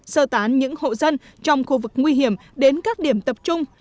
sơ tán những hộ dân trong khu vực nguy hiểm đến các điểm tập trung